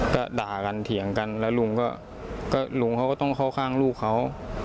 ก็ด่ากันเถียงกันแล้วลุงก็ลุงเขาก็ต้องเข้าข้างลูกเขา